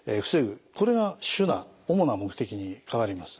これが主な目的に変わります。